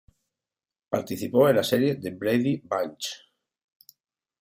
Participó en la serie "The Brady Bunch".